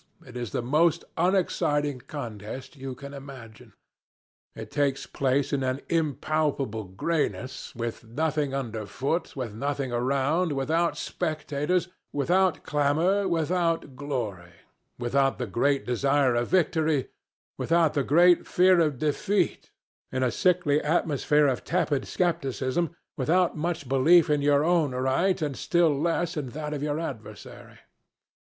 It is the most unexciting contest you can imagine. It takes place in an impalpable grayness, with nothing underfoot, with nothing around, without spectators, without clamor, without glory, without the great desire of victory, without the great fear of defeat, in a sickly atmosphere of tepid skepticism, without much belief in your own right, and still less in that of your adversary.